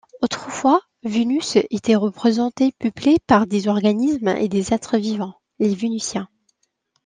Autrefois, Vénus était représentée peuplée par des organismes et des êtres vivants, les Vénusiens.